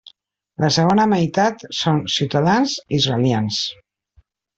La segona meitat són ciutadans israelians.